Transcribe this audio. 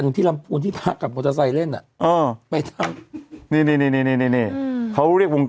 นี่นี่สึกละสึกละสึกละนี่นี่นี่โอบหน่อยโอบหน่อย